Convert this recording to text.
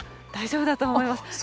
大丈夫だと思います。